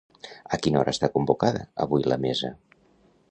A quina hora està convocada avui la mesa?